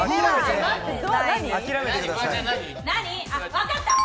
わかった！